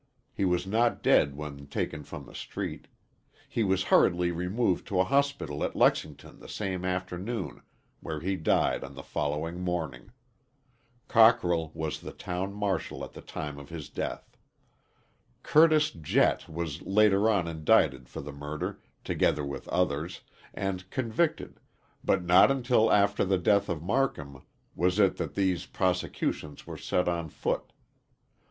He was not dead when taken from the street. He was hurriedly removed to a hospital at Lexington the same afternoon, where he died on the following morning. Cockrell was town marshal at the time of his death. Curtis Jett was later on indicted for the murder, together with others, and convicted, but not until after the death of Marcum was it that these prosecutions were set on foot.